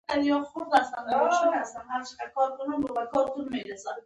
د علامه رشاد لیکنی هنر مهم دی ځکه چې تحلیلي دی.